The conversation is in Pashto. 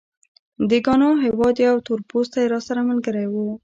د ګانا هېواد یو تورپوستی راسره ملګری و.